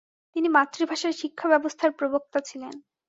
তিনি মাতৃভাষায় শিক্ষাব্যবস্থার প্রবক্তা ছিলেন ।